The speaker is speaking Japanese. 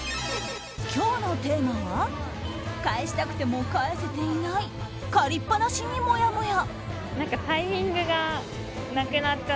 今日のテーマは返したくても返せていない借りっぱなしに、もやもや。